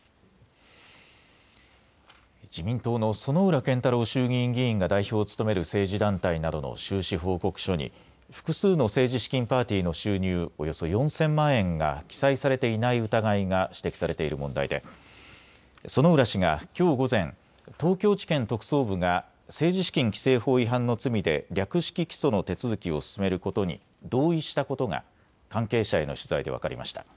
自民党の薗浦健太郎衆議院議員が代表を務める政治団体などの収支報告書に複数の政治資金パーティーの収入およそ４０００万円が記載されていない疑いが指摘されている問題で薗浦氏がきょう午前、東京地検特捜部が政治資金規正法違反の罪で略式起訴の手続きを進めることに同意したことが関係者への取材で分かりました。